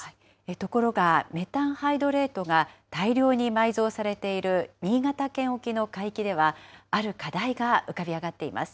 ところがメタンハイドレートが大量に埋蔵されている、新潟県沖の海域では、ある課題が浮かび上がっています。